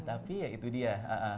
tapi ya itu dia